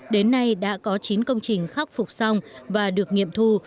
đến nay đã có chín công trình khắc phục xong và được nghiệm thu